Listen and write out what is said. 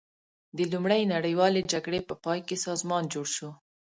د لومړۍ نړیوالې جګړې په پای کې سازمان جوړ شو.